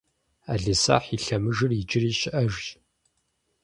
Ӏэлисахь и лъэмыжыр иджыри щыӏэжщ.